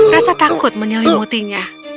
rasa takut menyelimutinya